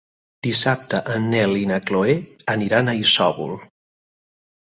Dissabte en Nel i na Chloé aniran a Isòvol.